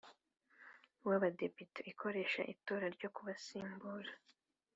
w Abadepite ikoresha itora ryo kumusimbura